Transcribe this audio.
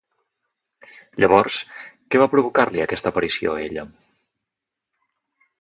Llavors, què va provocar-li aquesta aparició a ella?